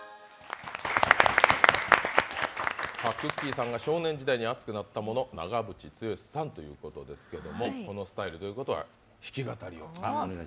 さんが少年時代に熱くなったもの長渕剛さんということですけれども、このスタイルということは弾き語りを。